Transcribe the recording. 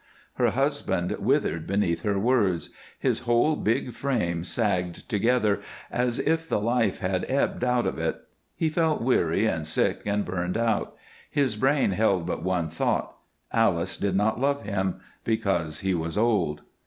Her husband withered beneath her words; his whole big frame sagged together as if the life had ebbed out of it; he felt weary and sick and burned out. His brain held but one thought Alice did not love him, because he was old.